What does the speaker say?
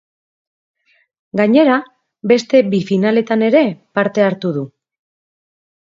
Gainera, beste bi finaletan ere parte hartu du.